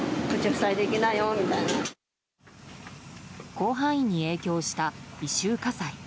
広範囲に影響した異臭火災。